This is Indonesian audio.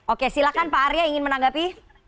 oke silahkan pak arya ingin menanggapi